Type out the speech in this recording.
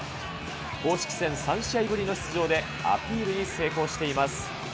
公式戦３試合ぶりの出場で、アピールに成功しています。